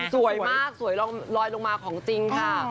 สวยมากสวยลอยลงมาของจริงค่ะ